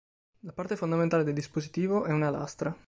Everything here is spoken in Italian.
La parte fondamentale del dispositivo è una lastra.